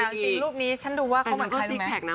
แต่จริงรูปนี้ฉันดูว่าเขาเหมือนใครหรือไม่